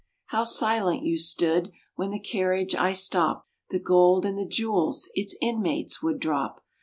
How silent you stood When the carriage I stopped, The gold and the jewels Its inmates would drop.